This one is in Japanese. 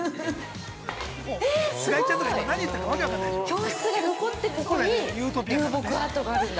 教室が残って、ここに流木アートがあるんだ。